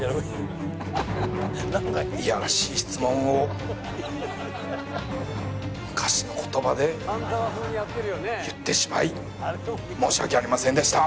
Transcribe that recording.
いやらしい質問を昔の言葉で言ってしまい申し訳ありませんでした。